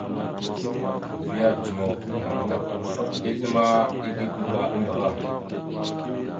Vya dzomok maŋgar offoɗ dezl ma igégula andəva.